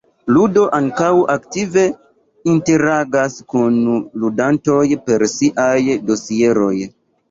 Ludo ankaŭ aktive interagas kun ludantoj per siaj dosieroj.